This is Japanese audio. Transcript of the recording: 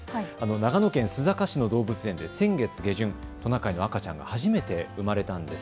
長野県須坂市の動物園で先月下旬トナカイの赤ちゃんが初めて生まれたんです。